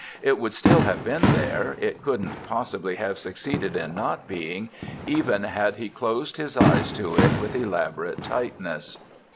It would still have been there, it couldn't possibly have succeeded in not being, even had he closed his eyes to it with elaborate tightness.